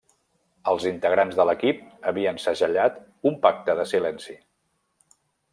Els integrants de l'equip havien segellat un pacte de silenci.